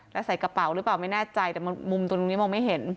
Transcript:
แล้วใส่กระเป๋าหรือเปล่าไม่แน่ใจแต่มุมตรงนี้มองไม่เห็น